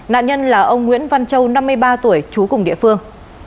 nạn nhân là ông nguyễn văn châu năm mươi ba tuổi trú cùng địa phương